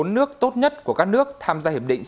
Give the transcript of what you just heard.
bốn nước tốt nhất của các nước tham gia hiệp định